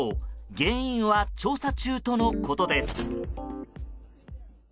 原因は調査中とのことです。